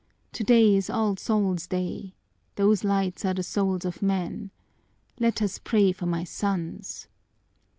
Today is All Souls' day! Those lights are the souls of men! Let us pray for my sons!"